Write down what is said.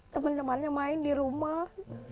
temen temennya main di rumah